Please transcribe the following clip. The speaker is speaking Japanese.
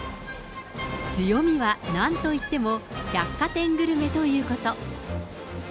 強みはなんといっても百貨店グルメということ。